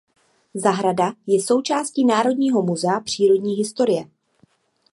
Zahrada je součástí Národního muzea přírodní historie.